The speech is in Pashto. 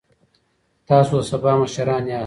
تاسو د سبا مشران یاست.